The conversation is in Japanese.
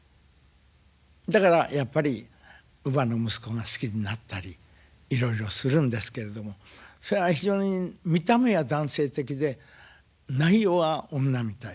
だからやっぱり乳母の息子が好きになったりいろいろするんですけれどもそりゃあ非常に見た目は男性的で内容は女みたい。